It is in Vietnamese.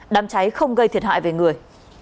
đám cháy không gây thiệt hại về người